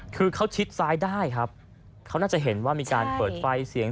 คือเขาชิดซ้ายได้ครับเขาน่าจะเห็นว่ามีการเปิดไฟเสียง